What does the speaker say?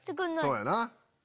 そうやな。